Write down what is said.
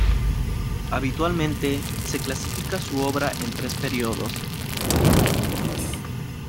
Habitualmente, se clasifica su obra en tres periodos.